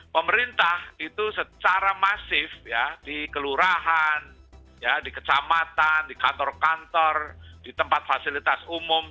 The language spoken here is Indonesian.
pemerintah itu secara masif ya di kelurahan di kecamatan di kantor kantor di tempat fasilitas umum